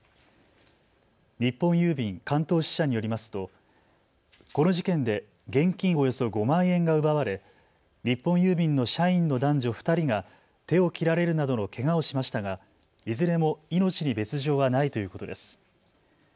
日本郵便関東支社によりますと、この事件で現金およそ５万円が奪われ日本郵便の社員の男女２人が手を切られるなどのけがをしましたが、いずれも命に別状はないということです。